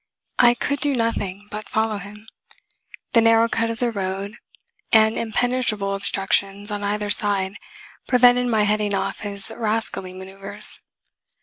I could do nothing but follow him. The narrow cut of the road and impenetrable obstructions on either side prevented my heading off his rascally maneuvers.